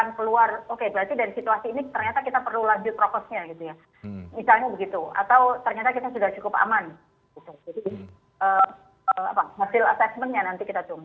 oke nah untuk menjadi tidak terjadi lonjakan artinya pekerjaan rumah juga ada